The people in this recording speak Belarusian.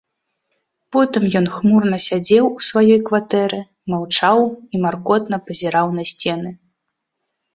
Потым ён хмурна сядзеў у сваёй кватэры, маўчаў і маркотна пазіраў на сцены.